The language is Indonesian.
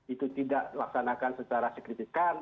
itu tidak dilaksanakan secara sekritikan